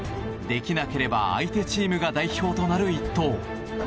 できなければ相手チームが代表となる一投。